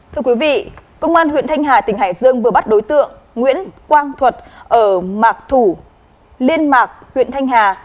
thưa quý vị công an huyện thanh hà tỉnh hải dương vừa bắt đối tượng nguyễn quang thuật ở mạc thủ liên mạc huyện thanh hà